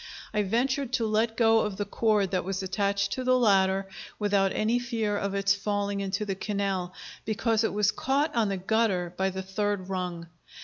I ventured to let go of the cord that was attached to the ladder without any fear of its falling into the canal, because it was caught on the gutter by the third rung.